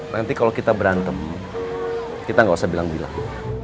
nanti kalau kita berantem kita gak usah bilang bilang